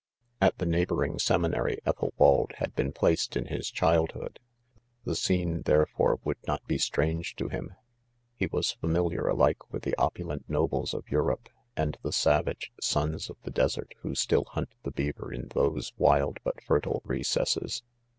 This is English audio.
d6 90 IDOMEN. * At the neighboring seminary Ethalwald had been placed in his childhood 5 the scene 5 therefore, would not be strange to him ; he was familiar alike with the opulent nobles of Eu rope, and the savage sons of the desert who still hunt the beaver in those wild but fertile recesses.